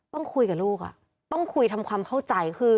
ต้องคุยกับลูกต้องคุยทำความเข้าใจคือ